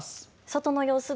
外の様子